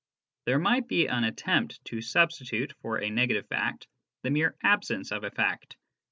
There might be an attempt to substitute for a negative fact the mere absence of a fact.